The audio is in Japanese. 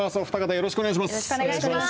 よろしくお願いします。